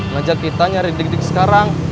ngajak kita nyari di dikdik sekarang